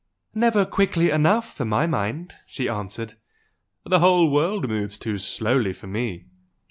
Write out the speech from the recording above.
"Never quickly enough for my mind!" she answered "The whole world moves too slowly for me!"